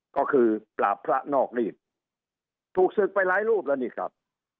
ก็คือปราบพระนอกรีดถูกศึกไปหลายรูปแล้วนี่ครับ